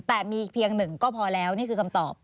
แต่มีเพียงหนึ่งก็พอแล้วนี่คือคำตอบ